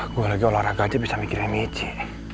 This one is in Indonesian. gue lagi olahraga aja bisa mikirin mici